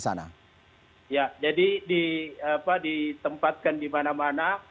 ya jadi ditempatkan di mana mana